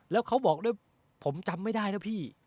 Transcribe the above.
แล้วเขาบอกด้วยผมจำไม่ได้นะพี่